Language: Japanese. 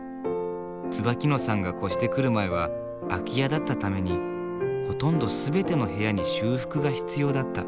椿野さんが越してくる前は空き家だったためにほとんど全ての部屋に修復が必要だった。